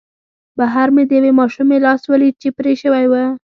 بهر مې د یوې ماشومې لاس ولید چې پرې شوی و